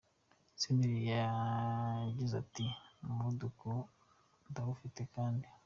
Senderi yagize ati Umuvuduko ndawufite, kandi.